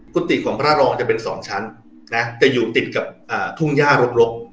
กุฏิของพระรองจะเป็น๒ชั้นนะจะอยู่ติดกับทุ่งย่ารก